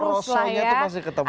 rosonya itu pasti ketemu